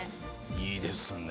いいですね。